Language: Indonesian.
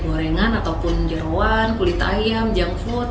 juga konsumsi lemak dari gorengan ataupun jeruan kulit ayam junk food